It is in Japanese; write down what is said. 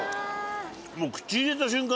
もう口に入れた瞬間